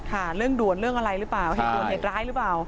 เรื่องด่วนเรื่องอะไรหรือเปล่าเหตุด่วนเหตุร้ายหรือเปล่า